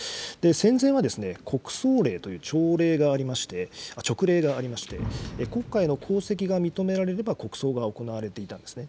戦前は、国葬令というちょうれいがありまして、勅令がありまして、国家への功績が認められれば、国葬が行われていたんですね。